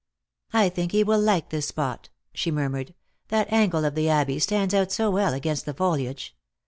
" I think he will like this spot," she murmured. " That angle of the abbey stands out so well against the foliage.